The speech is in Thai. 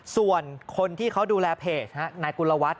ส่วนคนที่เขาดูแลเพจนายกุลวัฒน